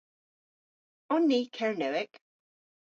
On ni Kernewek?